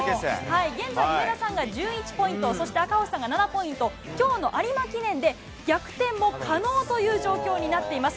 現在、上田さんが１１ポイント、そして赤星さんが７ポイント、きょうの有馬記念で、逆転も可能という状況になっています。